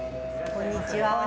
こんにちは。